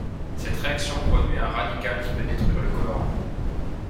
Cette réaction produit un radical qui peut détruire le colorant.